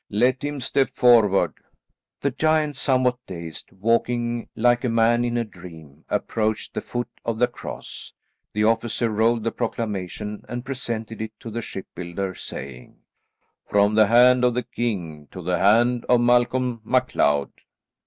"Let him step forward." The giant, somewhat dazed, walking like a man in a dream, approached the foot of the cross. The officer rolled the proclamation and presented it to the shipbuilder, saying: "From the hand of the king, to the hand of Malcolm MacLeod."